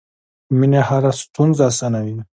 مینه هره ستونزه اسانوي.